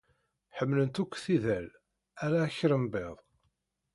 Ḥemmlent akk tidal, ala akrembiḍ.